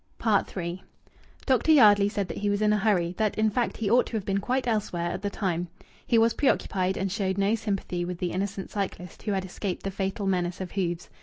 III Dr. Yardley said that he was in a hurry that, in fact, he ought to have been quite elsewhere at the time. He was preoccupied, and showed no sympathy with the innocent cyclist who had escaped the fatal menace of hoofs.